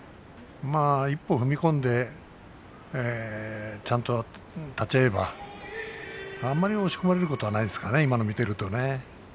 一歩踏み込んでちゃんと立ち合えばあんまり押し込まれることはないんですかね、今のを見ているとね。